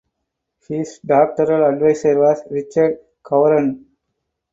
His doctoral advisor was Richard Courant.